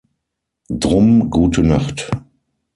Drum gute Nacht.